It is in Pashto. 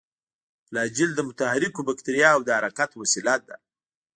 فلاجیل د متحرکو باکتریاوو د حرکت وسیله ده.